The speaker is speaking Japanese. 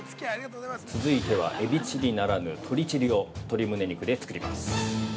◆続いては、エビチリならぬ鶏チリを鶏むね肉で作ります。